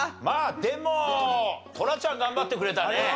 まあでもトラちゃん頑張ってくれたね。